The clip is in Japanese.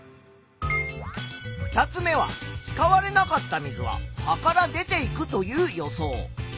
２つ目は使われなかった水は葉から出ていくという予想。